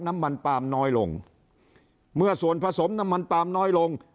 น้ำมันปาล์มน้อยลงเมื่อส่วนผสมน้ำมันปาล์มน้อยลง